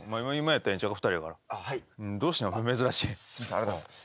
ありがとうございます。